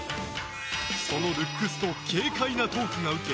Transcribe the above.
そのルックスと軽快なトークがウケ